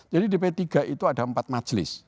jadi di p tiga itu ada empat majelis